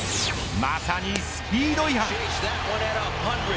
まさにスピード違反。